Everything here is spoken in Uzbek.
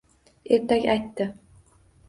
Ertak aytdi